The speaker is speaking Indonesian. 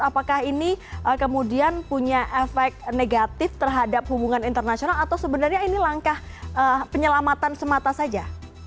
apakah ini kemudian punya efek negatif terhadap hubungan internasional atau sebenarnya ini langkah penyelamatan semata saja